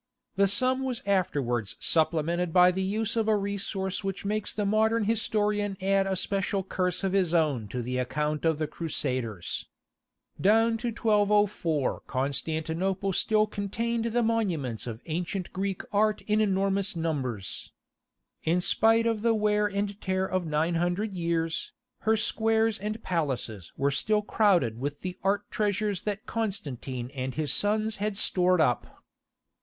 The sum was afterwards supplemented by the use of a resource which makes the modern historian add a special curse of his own to the account of the Crusaders. Down to 1204 Constantinople still contained the monuments of ancient Greek art in enormous numbers. In spite of the wear and tear of 900 years, her squares and palaces were still crowded with the art treasures that Constantine and his sons had stored up.